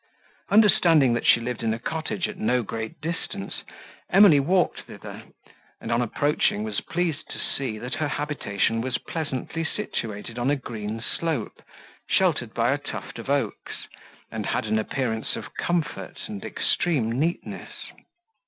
Understanding that she lived in a cottage at no great distance, Emily walked thither, and, on approaching, was pleased to see, that her habitation was pleasantly situated on a green slope, sheltered by a tuft of oaks, and had an appearance of comfort and extreme neatness.